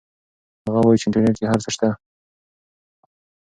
هغه وایي چې انټرنیټ کې هر څه شته.